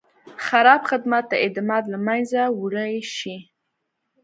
خراب خدمت د اعتماد له منځه وړی شي.